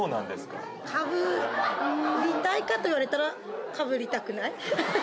かぶりたいか？と言われたら、かぶりたくない。